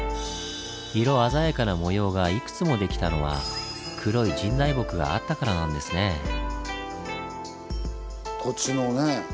色鮮やかな模様がいくつもできたのは黒い神代木があったからなんですねぇ。